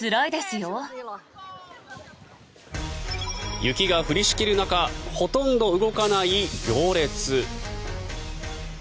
雪が降りしきる中ほとんど動かない行列。